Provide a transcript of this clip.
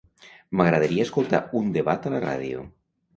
M'agradaria escoltar un debat a la ràdio.